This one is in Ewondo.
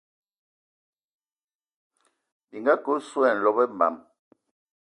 Bi nga kə osu ai nlɔb mbəm.